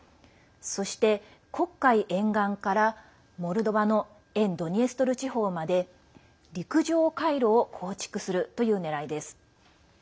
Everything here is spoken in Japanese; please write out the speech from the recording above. そして、黒海沿岸からモルドバの沿ドニエストル地方まで陸上回廊を構築するというねらいです。